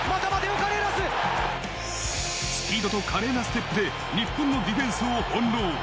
スピードと華麗なステップで日本のディフェンスを翻弄。